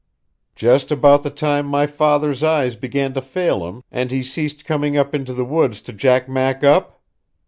"Just about the time my father's eyes began to fail him and he ceased coming up into the woods to jack Mac up?